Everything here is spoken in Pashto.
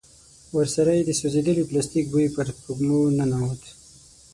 ورسره يې د سوځېدلي پلاستيک بوی پر سپږمو ننوت.